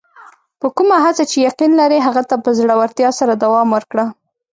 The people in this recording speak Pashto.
په کومه هڅه چې یقین لرې، هغه ته په زړۀ ورتیا سره دوام ورکړه.